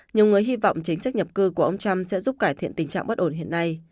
nhiều người hy vọng chính sách nhập cư của ông trump sẽ giúp cải thiện tình trạng bất ổn hiện nay